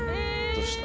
どうした？